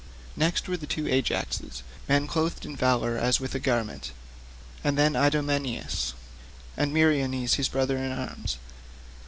Next were the two Ajaxes, men clothed in valour as with a garment, and then Idomeneus, and Meriones his brother in arms.